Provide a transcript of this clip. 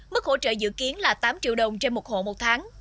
mức hỗ trợ dự kiến là tám triệu đồng trên một hộ một tháng